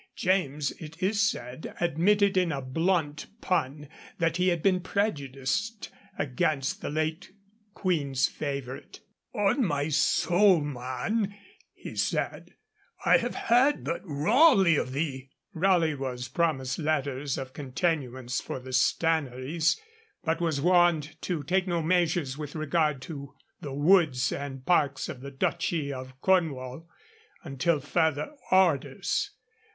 James, it is said, admitted in a blunt pun that he had been prejudiced against the late Queen's favourite; 'on my soul, man,' he said, 'I have heard but rawly of thee.' Raleigh was promised letters of continuance for the Stannaries, but was warned to take no measures with regard to the woods and parks of the Duchy of Cornwall until further orders.